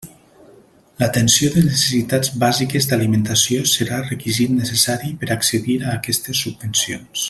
L'atenció de necessitats bàsiques d'alimentació serà requisit necessari per accedir a aquestes subvencions.